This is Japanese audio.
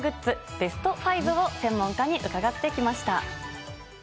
ベスト５を専門家に伺ってきました。